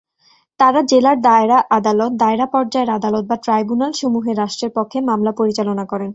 তারা জেলার দায়রা আদালত, দায়রা পর্যায়ের আদালত বা ট্রাইব্যুনালসমূহে রাষ্ট্রের পক্ষে মামলা পরিচালনা করেন।